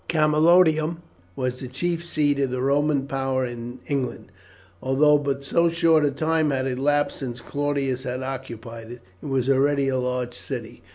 Camalodunum was the chief seat of the Roman power in England. Although but so short a time had elapsed since Claudius had occupied it, it was already a large city.